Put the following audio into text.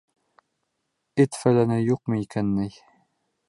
Эт-фәләне юҡмы икән ни?